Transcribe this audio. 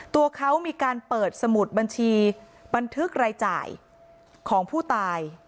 ตัวเขามีการเปิดสมุดบัญชีบันทึกรายจ่ายของผู้ตาย